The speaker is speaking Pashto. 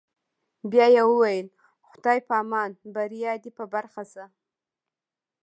بیا یې وویل: خدای په امان، بریا در په برخه شه.